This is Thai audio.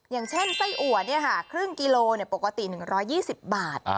อย่างเช่นไส้อัวครึ่งกิโลปกติ๑๒๐บาท